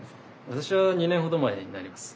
私は２年ほど前になります。